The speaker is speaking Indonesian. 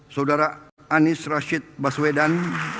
saudara anies rashid baswedan